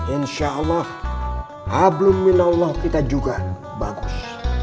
insya allah hablum milallah kita juga bagus